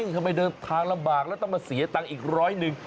ทำไมเดินทางลำบากแล้วต้องมาเสียตังค์อีกร้อยหนึ่ง